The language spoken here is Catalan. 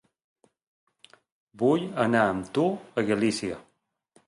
Vull anar amb tu a Galícia.